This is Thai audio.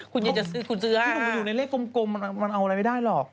คุณอย่าซื้อ๕๕พี่หนูอยู่ในเลขกลมมันเอาอะไรไม่ได้หรอก